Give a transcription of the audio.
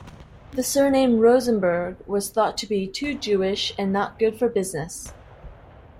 The surname "Rosenberg" was thought to be "too Jewish" and not good for business.